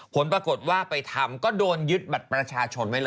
ผลปรากฏว่าไปทำก็โดนยึดบัตรประชาชนไว้เลย